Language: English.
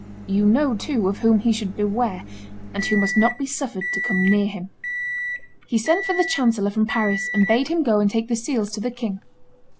You know, too, of whom he should beware, and who must not be suffered to come near him." He sent for the chancellor from Paris, and bade him go and take the seals to the king.